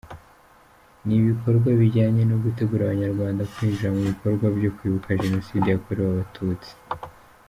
Ni ibikorwa bijyanye no gutegura Abanyarwanda kwinjira mu bikorwa byo kwibuka Jenoside yakorewe Abatutsi.